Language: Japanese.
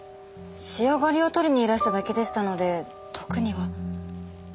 仕上がりを取りにいらしただけでしたので特には。